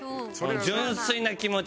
純粋な気持ちで。